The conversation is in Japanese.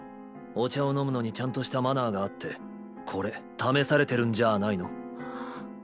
お茶を飲むのにちゃんとした「マナー」があってこれ試されてるんじゃあないの？